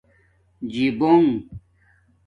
جیبݸنݣ